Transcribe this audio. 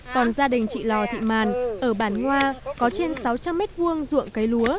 còn gia đình chị lò thị màn ở bản ngoa có trên sáu trăm linh m hai ruộng cây lúa